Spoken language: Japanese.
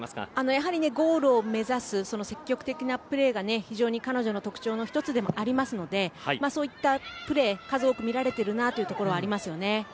やはりゴールを目指す積極的なプレーが彼女の特徴の１つでもありますのでそういったプレーが数多く見られているなというところがありますね。